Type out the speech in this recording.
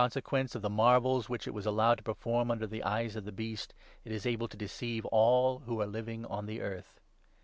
sequence of the marvels which it was allowed to perform under the eyes of the Beast, it is able to deceive all who are living on the earth.